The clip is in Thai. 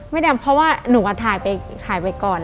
ไม่ได้อำเพราะว่าหนูก็ถ่ายไปก่อนแล้ว